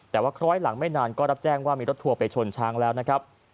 แต่ว่าคล้อยหลังไม่นานก็รับแจ้งว่ามีรถทัวร์ไปชนช้างแล้วนะครับ